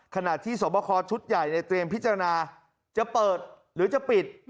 ขณะที่สวบคอชุดใหญ่ในเตรียมพิจารณาจะเปิดหรือจะปิด